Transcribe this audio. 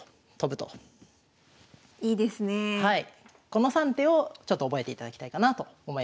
この３手をちょっと覚えていただきたいかなと思いますね。